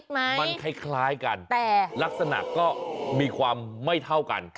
มันคล้ายกันแต่ลักษณะก็มีความไม่เท่ากัน